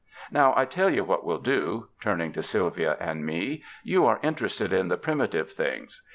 Now, I tell you what we'll do," turning to Sylvia and me, "you are interested in the primitive things.